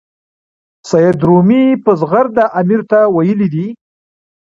سید رومي په زغرده امیر ته ویلي دي.